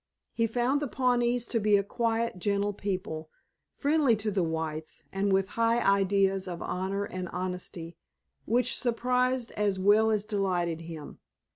He found the Pawnees to be a quiet, gentle people, friendly to the whites, and with high ideas of honor and honesty which surprised as well as delighted him.